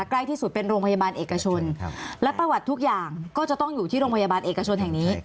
ใกล้ที่สุดเป็นโรงพยาบาลเอกชนและประวัติทุกอย่างก็จะต้องอยู่ที่โรงพยาบาลเอกชนแห่งนี้